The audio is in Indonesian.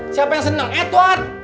siapa yang seneng edward